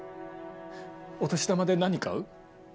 お年玉で何買う？